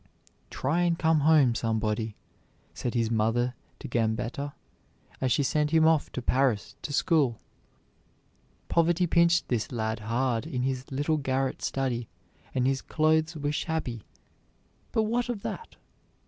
"Try and come home somebody," said his mother to Gambetta as she sent him off to Paris to school. Poverty pinched this lad hard in his little garret study and his clothes were shabby, but what of that?